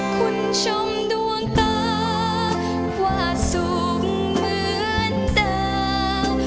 คุณชมดวงตาว่าสูงเหมือนดาว